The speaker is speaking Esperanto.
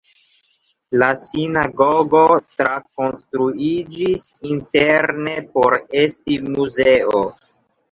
La sinagogo trakonstruiĝis interne por esti muzeo.